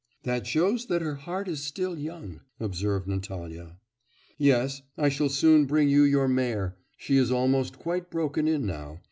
'That shows that her heart is still young,' observed Natalya. 'Yes. I shall soon bring you your mare. She is almost quite broken in now.